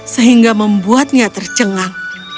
sehingga membuatnya tercengang